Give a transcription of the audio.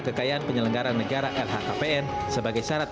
kpu menyeleksi calon legislator agar bebas dari korupsi